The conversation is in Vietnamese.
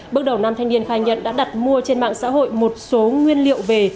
bước đầu nam thanh niên khai nhận đã đặt mua trên mạng xã hội một số nguyên liệu về